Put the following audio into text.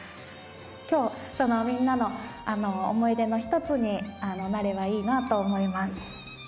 きょうみんなの思い出の１つになればいいなと思います。